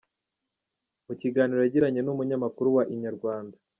Mu kiganiro yagiranye n’umunyamakuru wa inyarwanda.